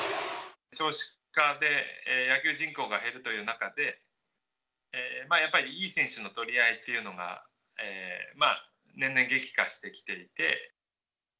少子化で野球人口が減るという中で、やっぱりいい選手の取り合いというのが年々激化してきていて。